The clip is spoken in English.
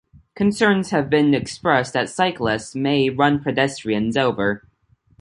Concerns have been expressed that cyclists may run pedestrians over.